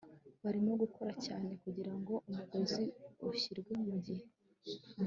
barimo gukora cyane kugirango umugozi ushyirwe mugihe